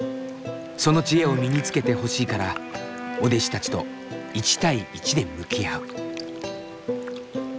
その知恵を身につけてほしいからお弟子たちと１対１で向き合う。